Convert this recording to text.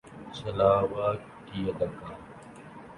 چھلاوہ کی اداکار